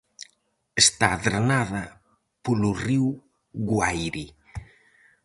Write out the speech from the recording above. Está drenada polo río Guaire.